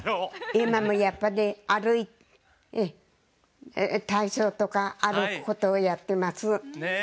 今もやっぱり体操とか歩くことをやってます。